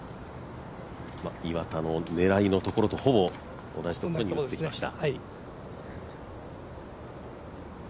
岩田の狙いのところとほぼ同じところに持って行きました。